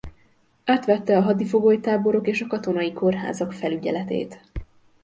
Átvette a hadifogolytáborok és a katonai kórházak felügyeletét.